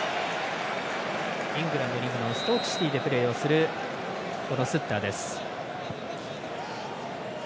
イングランドリーグのストークシティでプレーするスッターです。